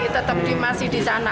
tetap masih di sana